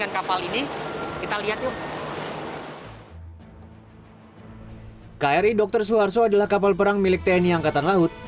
kapal ini kita lihat yuk kri dokter suwerso adalah kapal perang milik tni angkatan laut